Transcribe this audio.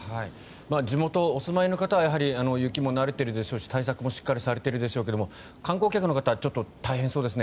地元にお住まいの方は雪にも慣れているでしょうし対策もしっかりされているでしょうけども観光客の方はちょっと大変そうですね。